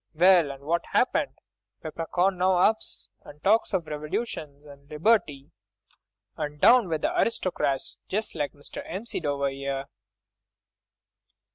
Well! and what happened? Peppercorn 'e now ups and talks of revolutions, and liberty, and down with the aristocrats, just like Mr. 'Empseed over 'ere!"